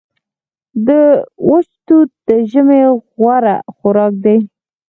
وچ توت د ژمي غوره خوراک دی.